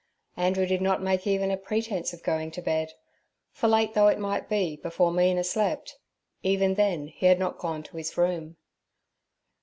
Andrew did not make even a pretence of going to bed, for late though it might be before Mina slept, even then he had not gone to his room.